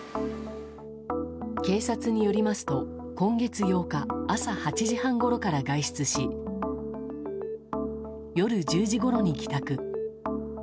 警察によりますと今月８日朝８時半ごろから外出し、夜１０時ごろに帰宅。